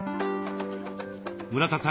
村田さん